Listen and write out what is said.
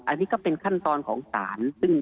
อันนี้ก็เป็นขั้นตอนของศาล